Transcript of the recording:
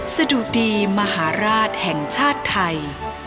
สะดุดีมหาราชแห่งชาติไทย